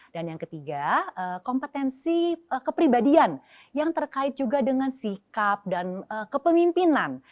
dan yang ketiga kompetensi kepribadian yang terkait juga dengan sikap dan kepemimpinan